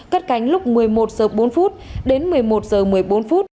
cắt cánh lúc một mươi một giờ bốn phút đến một mươi một giờ một mươi bốn phút